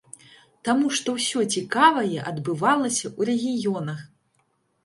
Таму што ўсё цікавае адбывалася ў рэгіёнах!